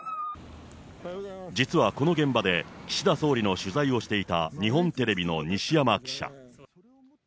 実はこの現場で、岸田総理の取材をしていた日本テレビの西山記者。